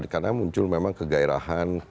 karena muncul memang kegairahan